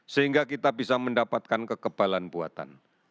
sehingga kita bisa mendapatkan kekebalan buatan